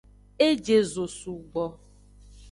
E je zo sugbo.